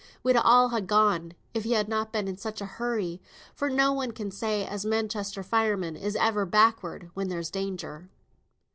We'd all ha' gone, if he had na been in such a hurry, for no one can say as Manchester firemen is ever backward when there's danger."